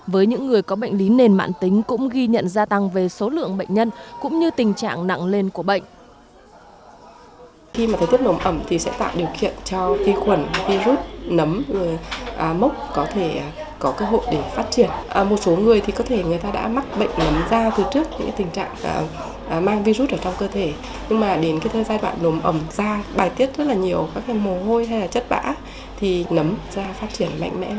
với những người có bệnh lý nền mạng tính cũng ghi nhận gia tăng về số lượng bệnh nhân cũng như tình trạng nặng lên